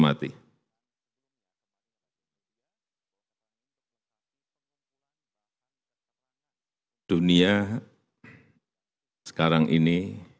pada saat ini dunia sekarang ini